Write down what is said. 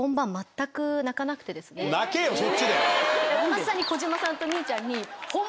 まさに小嶋さんとみーちゃんに。